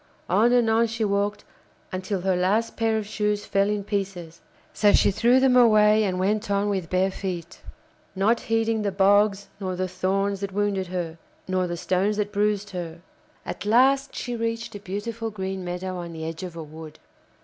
On and on she walked until her last pair of shoes fell in pieces. So she threw them away and went on with bare feet, not heeding the bogs nor the thorns that wounded her, nor the stones that bruised her. At last she reached a beautiful green meadow on the edge of a wood.